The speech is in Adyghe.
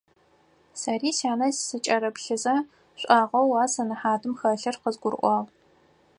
Сэри сянэ сыкӀырыплъызэ, шӀуагъэу а сэнэхьатым хэлъыр къызгурыӀуагъ.